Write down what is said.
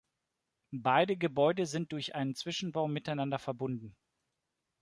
Beide Gebäude sind durch einen Zwischenbau miteinander verbunden.